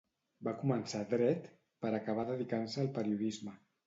Va començar Dret, per acabar dedicant-se al periodisme.